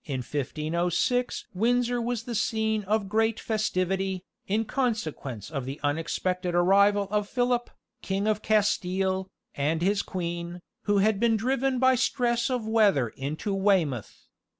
In 1506 Windsor was the scene of great festivity, in consequence of the unexpected arrival of Philip, King of Castile, and his queen, who had been driven by stress of weather into Weymouth.